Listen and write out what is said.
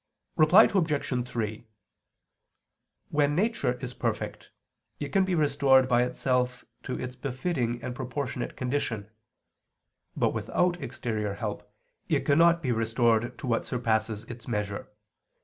Reply Obj. 3: When nature is perfect, it can be restored by itself to its befitting and proportionate condition; but without exterior help it cannot be restored to what surpasses its measure.